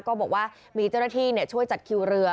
ก็บอกว่ามีเจ้าหน้าที่ช่วยจัดคิวเรือ